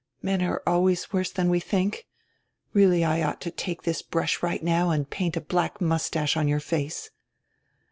Men are always worse than we think. Really I ought to take this brush right now and paint a black moustache on your face."